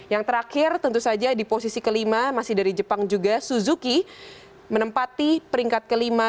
yang terakhir tentu saja di posisi kelima masih dari jepang juga suzuki menempati peringkat kelima